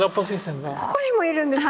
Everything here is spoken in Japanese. ここにもいるんですか。